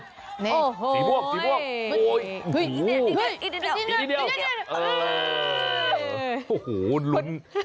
สีพวกสีพวก